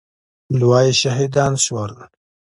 دوه يې شهيدان سول.